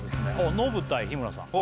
ノブ対日村さん